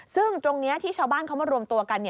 ซึ่งตรงนี้ที่ชาวบ้านเขามารวมตัวกัน